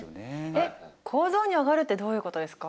えっ構造にアガるってどういうことですか？